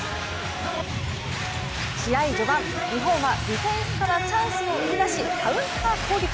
試合序盤、日本はディフェンスからチャンスを生み出しカウンター攻撃。